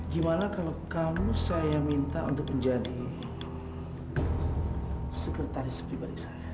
gimana kalau kamu saya minta untuk menjadi sekretaris pribadi saya